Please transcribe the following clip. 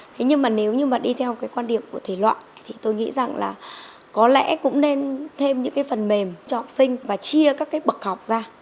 thế nhưng mà nếu như mà đi theo cái quan điểm của thể loại thì tôi nghĩ rằng là có lẽ cũng nên thêm những cái phần mềm cho học sinh và chia các cái bậc học ra